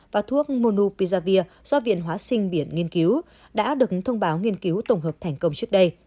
và thuốc monu pizavir do viện hóa sinh biển nghiên cứu đã được thông báo nghiên cứu tổng hợp thành công trước đây